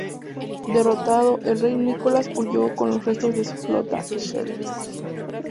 Derrotado, el rey Nicolás huyó con los restos de su flota a Schleswig.